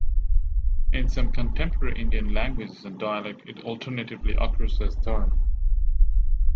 In some contemporary Indian languages and dialects it alternatively occurs as "dharm".